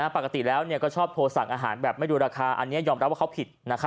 ปกติแล้วก็ชอบโทรสั่งอาหารแบบไม่ดูราคาอันนี้ยอมรับว่าเขาผิด